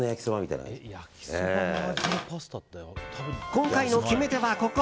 今回の決め手は、ここ。